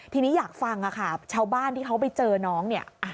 ทีนี้อยากฟังค่ะชาวบ้านที่เขาไปเจอน้องเนี่ย